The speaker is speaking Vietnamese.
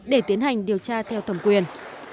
để tiến hành điều tra theo thẩm quyền